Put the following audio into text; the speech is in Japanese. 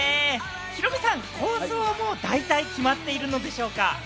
ヒロミさん、構想は大体決まってるんでしょうか？